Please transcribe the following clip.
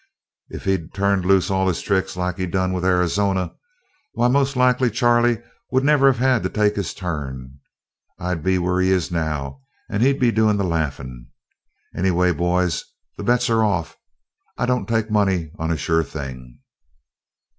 If he'd turned loose all his tricks like he done with Arizona, why most like Charley would never of had to take his turn. I'd be where he is now and he'd be doing the laughing. Anyway, boys, the bets are off. I don't take money on a sure thing."